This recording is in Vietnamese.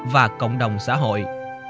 và cộng đồng xã hội